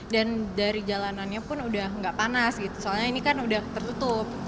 dan dari jalanannya pun udah nggak panas gitu soalnya ini kan udah tertutup